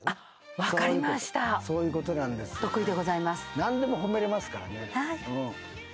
何でも褒められますからね。